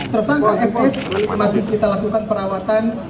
tersangka ms masih kita lakukan perawatan